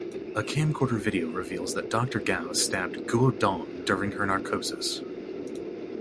A camcorder video reveals that Doctor Gao stabbed Guo Dong during her narcosis.